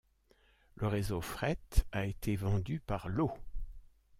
Le réseau fret a été vendu par lots.